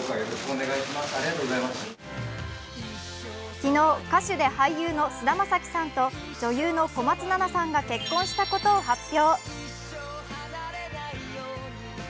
昨日、歌手で俳優の菅田将暉さんと女優の小松菜奈さんが結婚したことを発表。